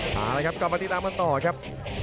เท่าไรครับก็มาติดตามมันต่อครับ